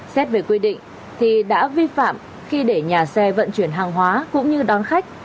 xét về quy định thì đã vi phạm khi để nhà xe vận chuyển hàng hóa cũng như đón khách